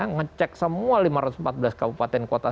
ngecek semua lima ratus empat belas kabupaten kota